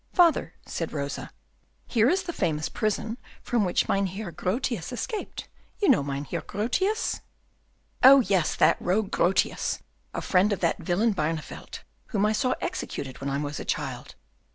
"Father," said Rosa, "here is the famous prison from which Mynheer Grotius escaped. You know Mynheer Grotius?" "Oh, yes, that rogue Grotius, a friend of that villain Barneveldt, whom I saw executed when I was a child.